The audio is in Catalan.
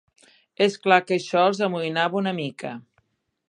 És clar que això els amoïnava una mica